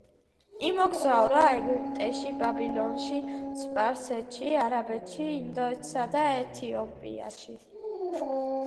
იმოგზაურა ეგვიპტეში, ბაბილონში, სპარსეთში, არაბეთში, ინდოეთსა და ეთიოპიაში.